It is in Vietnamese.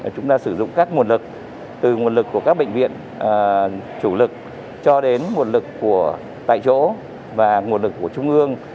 chúng ta sử dụng các nguồn lực từ nguồn lực của các bệnh viện chủ lực cho đến nguồn lực tại chỗ và nguồn lực của trung ương